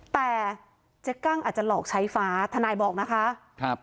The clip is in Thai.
แต่เจ๊กั้งอาจจะหลอกใช้ฟ้าทนายบอกนะคะครับ